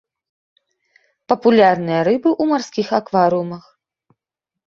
Папулярныя рыбы ў марскіх акварыумах.